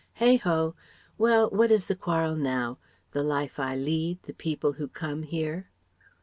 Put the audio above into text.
Heigh ho! Well: what is the quarrel now? The life I lead, the people who come here?"